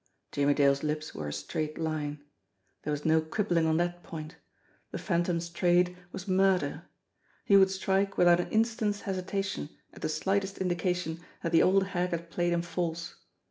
Jimmie Dale's lips were a straight line. There was no quibbling on that point. The Phantom's trade was mur A TAPPED WIRE 233 der. He would strike without an instant's hesitation at the slightest indication that the old hag had played him false.